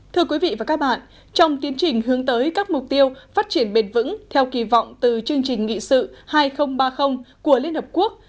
thưa quý vị và các bạn trong tiến trình hướng tới các mục tiêu phát triển bền vững theo kỳ vọng từ chương trình nghị sự hai nghìn ba mươi của liên hợp quốc